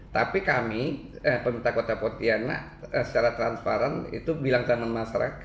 tapi kami pemerintah kota pontianak secara transparan itu bilang sama masyarakat